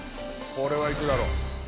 これはいくだろ。